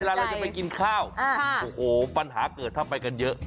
เราจะไปกินข้าวโอ้โหปัญหาเกิดถ้าไปกันเยอะ